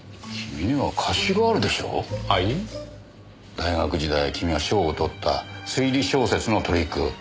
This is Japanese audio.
大学時代君が賞を獲った推理小説のトリック。